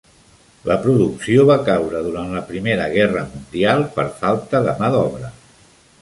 La producció va caure durant la primera guerra mundial per falta de mà d'obra.